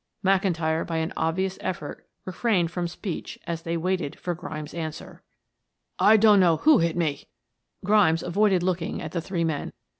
McIntyre, by an obvious effort, refrained from speech as they waited for Grimes' answer. "I dunno who hit me." Grimes avoided looking at the three men.